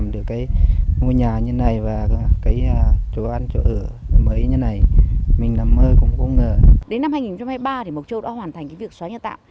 đến năm hai nghìn hai mươi ba thì mộc châu đã hoàn thành việc xóa nhà tạm